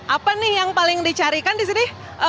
apa nih yang paling dicarikan di sini